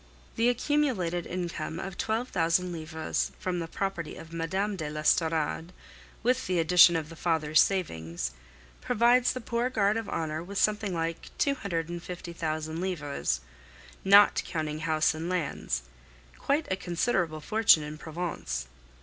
The accumulated income of twelve thousand livres from the property of Mme. de l'Estorade, with the addition of the father's savings, provides the poor guard of honor with something like two hundred and fifty thousand livres, not counting house and lands quite a considerable fortune in Provence.